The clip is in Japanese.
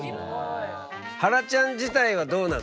はらちゃん自体はどうなの？